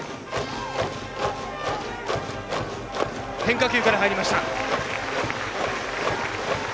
変化球から入りました。